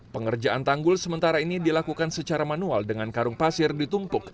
pengerjaan tanggul sementara ini dilakukan secara manual dengan karung pasir ditumpuk